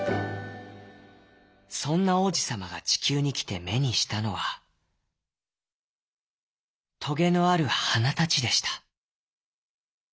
そんな王子さまがちきゅうにきてめにしたのはトゲのあるはなたちでした。